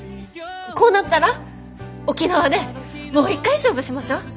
こうなったら沖縄でもう一回勝負しましょう。